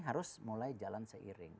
harus mulai jalan seiring